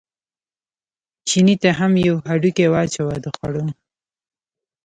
چیني ته یې هم یو هډوکی واچاوه د خوړو.